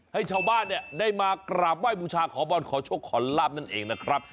ให้ชาวบ้านเนี่ยได้มากราบไหว้บูชาขอบอลขอโชคขอลาบนั่นเองนะครับ